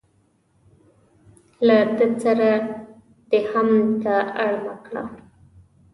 له ده سره دې هم که اړمه کړه.